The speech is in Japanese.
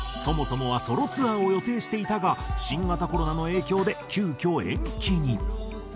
そもそもはソロツアーを予定していたが新型コロナの影響で急遽延期に。